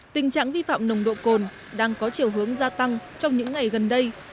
tình trạng vi phạm nồng độ cồn đang có chiều hướng gia tăng trong những ngày gần đây